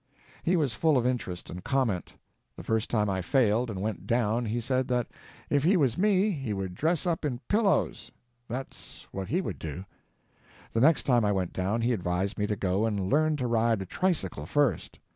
He was full of interest and comment. The first time I failed and went down he said that if he was me he would dress up in pillows, that's what he would do. The next time I went down he advised me to go and learn to ride a tricycle first.